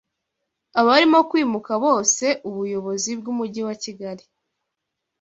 Abarimo kwimuka bose Ubuyobozi bw’Umujyi wa Kigali